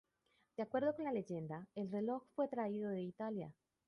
De acuerdo con la leyenda, el reloj fue traído de Italia.